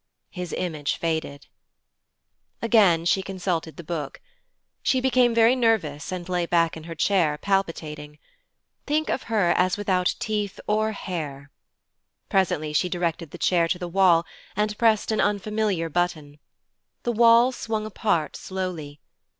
His image faded. Again she consulted the book. She became very nervous and lay back in her chair palpitating. Think of her as without teeth or hair. Presently she directed the chair to the wall, and pressed an unfamiliar button. The wall swung apart slowly.